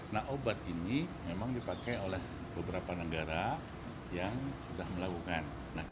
nah obat ini memang dipakai oleh beberapa negara yang sudah melakukan